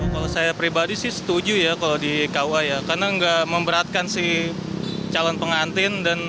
kalau saya pribadi sih setuju ya kalau di kua ya karena nggak memberatkan si calon pengantin